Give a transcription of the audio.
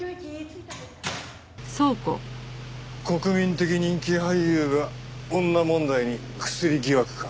国民的人気俳優が女問題にクスリ疑惑か。